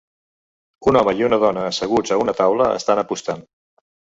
Un home i una dona asseguts a una taula estan apostant.